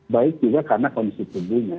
baik juga karena kondisi tubuhnya